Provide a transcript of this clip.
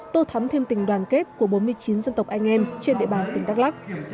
tô thắm thêm tình đoàn kết của bốn mươi chín dân tộc anh em trên địa bàn tỉnh đắk lắc